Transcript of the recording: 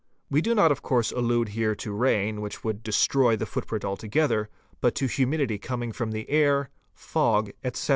We do not of course allude here to rain, which would destroy — the footprint altogether, but to humidity coming from the air, fog, ete.